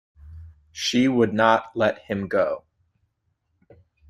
She would not let him go.